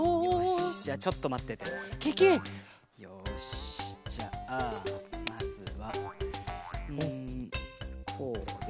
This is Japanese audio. よしじゃあまずはうんこうで。